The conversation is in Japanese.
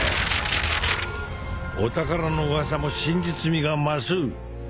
お宝の噂も真実味が増す。